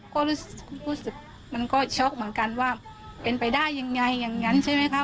ก็รู้สึกมันก็ช็อกเหมือนกันว่าเป็นไปได้ยังไงอย่างนั้นใช่ไหมคะ